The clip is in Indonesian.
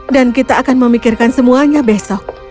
dan kita akan memikirkan semuanya besok